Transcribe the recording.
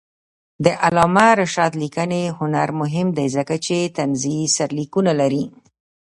د علامه رشاد لیکنی هنر مهم دی ځکه چې طنزي سرلیکونه لري.